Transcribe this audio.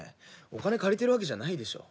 お金借りてるわけじゃないでしょ。